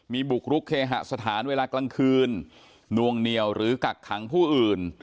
มีบุกรุกเคหสถานเวลากลางคืนนวงเหนียวหรือกักขังผู้อื่น